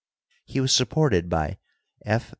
He was supported by F.